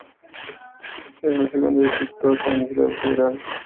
Era la segunda vez que actuaba como legislador federal.